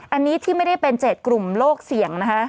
อันนี้ที่ไม่ได้เป็น๗กลุ่มโลกเสี่ยงนะคะ